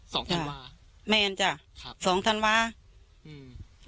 ธันวาแมนจ้ะครับสองธันวาอืม